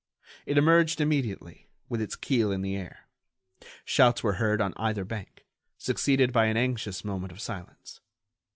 It emerged immediately, with its keel in the air. Shouts were heard on either bank, succeeded by an anxious moment of silence.